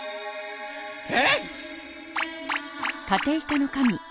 えっ？